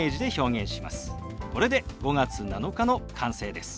これで「５月７日」の完成です。